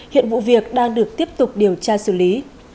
hiện vụ việc đang được tiếp tục điều tra xử lý